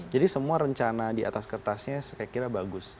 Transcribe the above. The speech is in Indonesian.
semua rencana di atas kertasnya saya kira bagus